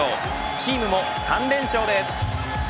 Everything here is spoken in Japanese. チームも３連勝です。